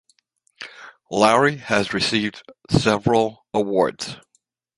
Lowery has received several awards.